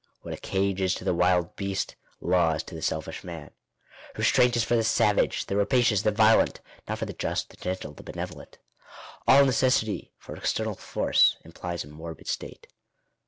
What a cage is to the wild beast, law is to the selfish man. Restraint is for the savage, the rapacious, the violent ; not for the just, the gentle, the benevolent. All necessity for external force implies a morbid state.